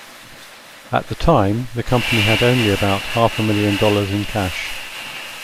At the time, the company had only about half a million dollars in cash.